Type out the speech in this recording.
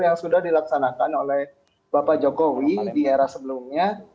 yang sudah dilaksanakan oleh bapak jokowi di era sebelumnya